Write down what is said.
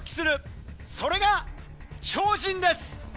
それが超人です。